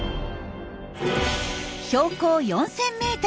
標高４，０００ｍ。